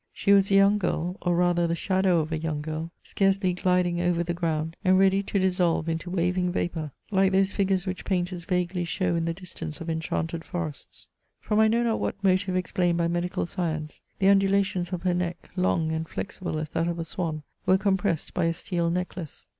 She was a young girl, or rather the shadow of a young girl, scarcely gliding over the ground, and ready to dissolve into waving vapour, like those figures which painters vaguely show in the distance of enchanted forests. From I know not what motive explained by medical science, the undu lations of her neck, long and flexible as that of a swan, were compressed by a steel necklace.